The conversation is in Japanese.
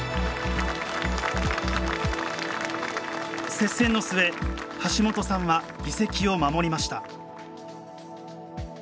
接戦の末橋本さんは議席を守りました。